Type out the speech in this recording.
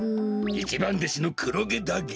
いちばんでしのクロゲだげ。